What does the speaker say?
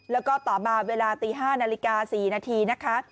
แล้วก็ต่อมาเวลาตี๕นาฬิกา๔นาทีนะคะ